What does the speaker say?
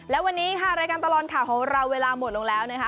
และวันนี้ค่ะรายการตลอดข่าวของเราเวลาหมดลงแล้วนะคะ